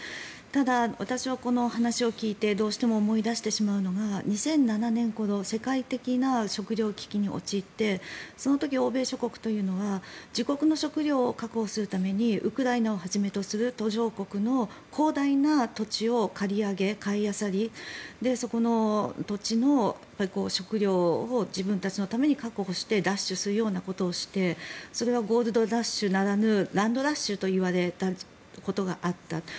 ただ、私はこの話を聞いてどうしても思い出してしまうのが２００７年世界的な食料危機に陥ってその時、欧米諸国というのは自国の食糧を確保するためにウクライナをはじめとする途上国の広大な土地を借り上げ、買いあさりその土地の食料を自分たちのために確保して奪取するようなことをしてそれがゴールドラッシュならぬランドラッシュといわれたことがあった。